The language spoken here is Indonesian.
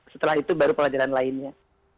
setelah itu baru pelajaran lainnya